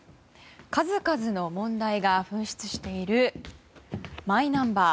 数々の問題が噴出しているマイナンバー。